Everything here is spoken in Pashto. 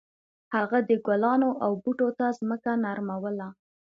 هغه د ګلانو او بوټو ته ځمکه نرموله.